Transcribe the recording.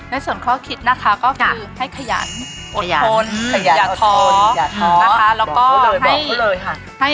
แน้นส่วนข้อคิดนะคะก็คือให้ขยันอดทนอย่าท้อ